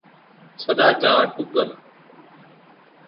سڏا چا ٽُوڪر